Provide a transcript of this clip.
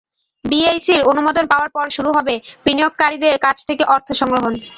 বিএসইসির অনুমোদন পাওয়ার পর শুরু হবে সাধারণ বিনিয়োগকারীদের কাছ থেকে অর্থ সংগ্রহ।